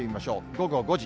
午後５時。